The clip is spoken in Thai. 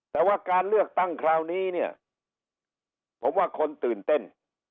แต่ว่าการเลือกตั้งคราวนี้เนี่ยผมว่าคนตื่นเต้น